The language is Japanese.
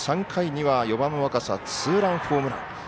３回には４番のツーランホームラン。